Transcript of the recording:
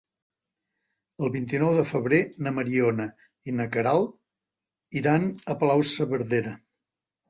El vint-i-nou de febrer na Mariona i na Queralt iran a Palau-saverdera.